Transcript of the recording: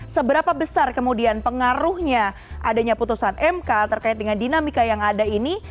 seberapa besar kemudian pengaruhnya adanya putusan mk terkait dengan dinamika yang ada ini